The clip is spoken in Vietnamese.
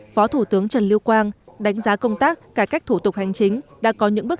phó thủ tướng trần lưu quang đánh giá công tác cải cách thủ tục hành chính đã có những bước